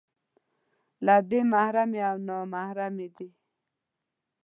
که دې محرمې، که نامحرمې دي